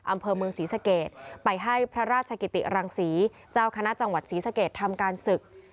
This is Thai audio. อำเภอเมืองศรีสเกตไปให้พระราชกิติรังศรีเจ้าคณะจังหวัดศรีสเกตทำการศึก